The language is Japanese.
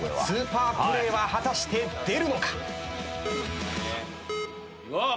スーパープレーは果たして出るのか？